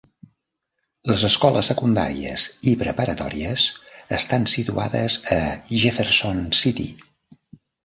Les escoles secundàries i preparatòries estan situades a Jefferson City.